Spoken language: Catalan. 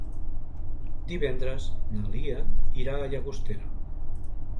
Divendres na Lia irà a Llagostera.